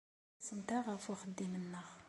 Ttxelliṣent-aɣ ɣef uxeddim-nneɣ.